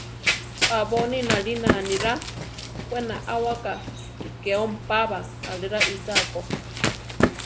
Abóni nalína anirá; we naʼáwaka ti ke ompába ale raíchako.